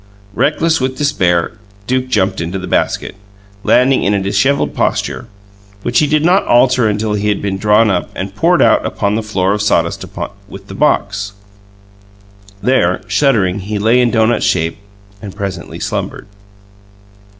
Reckless with despair, Duke jumped into the basket, landing in a dishevelled posture, which he did not alter until he had been drawn up and poured out upon the floor of sawdust with the box. There, shuddering, he lay in doughnut shape and presently slumbered.